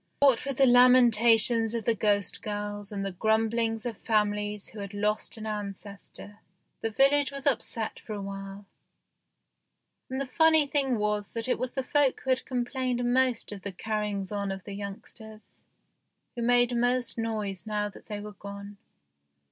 What with the lamentations of the ghost girls and the grumblings of families who had lost an ancestor, the village was upset for a while, and the funny thing was that it was the folk who had complained most of the carry ings on of the youngsters, who made most noise now that they were gone.